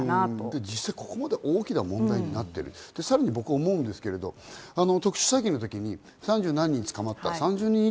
実際ここまで大きな問題になっている、さらに思うんですけど、特殊詐欺の時に３０何人、捕まった。